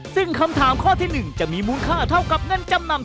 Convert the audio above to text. ซึ่งคำถามข้อที่๑จะมีมูลค่าเท่ากับเงินจำนำ